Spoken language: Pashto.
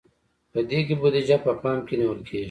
په دې کې بودیجه په پام کې نیول کیږي.